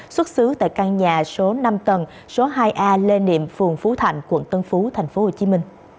xuất xứ tại căn nhà số năm tầng số hai a lê niệm phường phú thạnh quận tân phú tp hcm